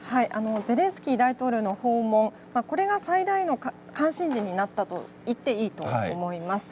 ゼレンスキー大統領の訪問、これが最大の関心事になったと言っていいと思います。